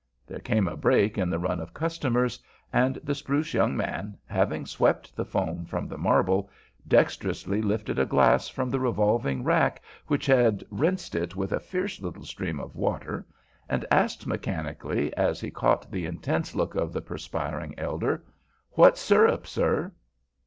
There came a break in the run of customers, and the spruce young man, having swept the foam from the marble, dexterously lifted a glass from the revolving rack which had rinsed it with a fierce little stream of water, and asked mechanically, as he caught the intense look of the perspiring elder, "What syrup, sir?"